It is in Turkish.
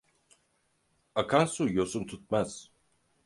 Akan su yosun tutmaz.